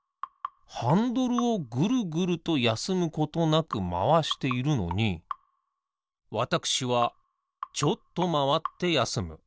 ハンドルをぐるぐるとやすむことなくまわしているのにわたくしはちょっとまわってやすむ。